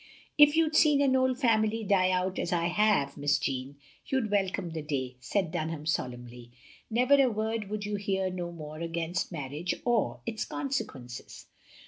" If you'd seen an old family die out as I have. Miss Jeanne, you 'd welcome the day," said Dun ham, solemnly. " Never a word wotild you hear no more against marriage or its consequences.